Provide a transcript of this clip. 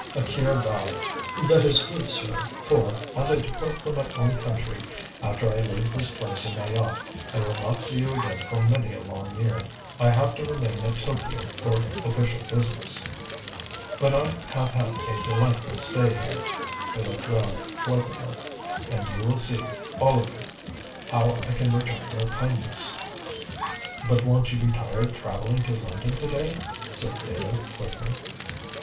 Akira bowed. "That is good, sir, for, as I depart for my own country, after I leave this place in my yacht, I will not see you again for many a long year. I have to remain at Tokio for official business. But I have had a delightful stay here" he looked round pleasantly "and you will see, all of you, how I can return your kindness." "But won't you be tired travelling to London to day?" said Theodore, quickly.